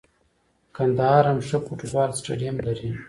کندهار هم ښه فوټبال سټیډیم لري.